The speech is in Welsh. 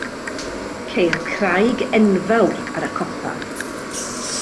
Ceir craig enfawr ar y copa.